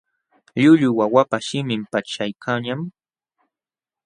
Llullu wawapa shimin paćhyaykanñam.